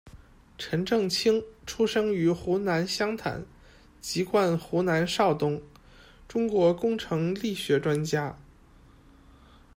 陈政清，出生于湖南湘潭，籍贯湖南邵东，中国工程力学专家。